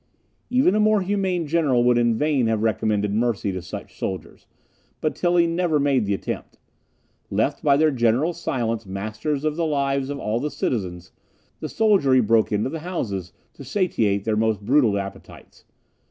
Even a more humane general would in vain have recommended mercy to such soldiers; but Tilly never made the attempt. Left by their general's silence masters of the lives of all the citizens, the soldiery broke into the houses to satiate their most brutal appetites.